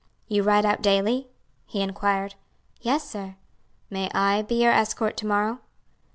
"You ride out daily?" he inquired. "Yes, sir." "May I be your escort to morrow?"